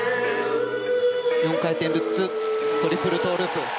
４回転ルッツトリプルトウループ。